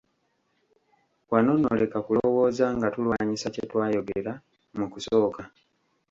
Wano nno leka kulowooza nga tulwanyisa kye twayogera mu kusooka.